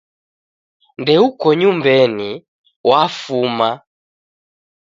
Ndeuko nyumbenyi, wafuma